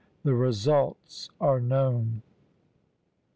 The results are known."